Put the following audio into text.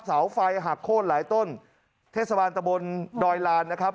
เสาไฟหักโค้นหลายต้นเทศบาลตะบนดอยลานนะครับ